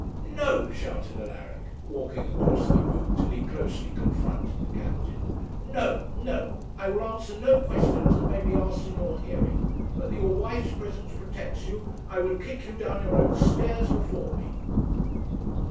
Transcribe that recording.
'No!' shouted Alaric, walking across the room till he closely confronted the captain. 'No no I will answer no questions that may be asked in your hearing. But that your wife's presence protects you, I would kick you down your own stairs before me.'